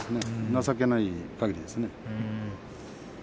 情けないかぎりです。